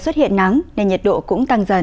có nắng nên nhiệt độ cũng tăng dần